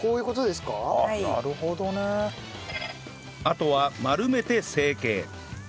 あとは丸めて成形